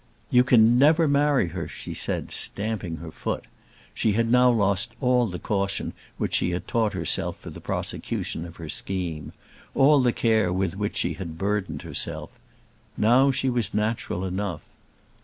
"You can never marry her," she said, stamping her foot. She had now lost all the caution which she had taught herself for the prosecution of her scheme, all the care with which she had burdened herself. Now she was natural enough.